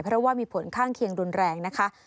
เพราะว่ามีผลข้างเคียงรุนแรงนะคะ